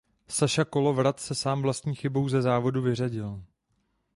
Saša Kolowrat se sám vlastní chybou ze závodu vyřadil.